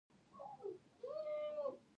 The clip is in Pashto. خیر د چا کار دی؟